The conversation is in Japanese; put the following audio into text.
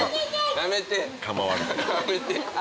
やめて。